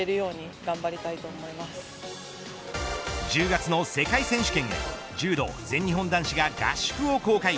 １０月の世界選手権へ柔道全日本男子が合宿を公開。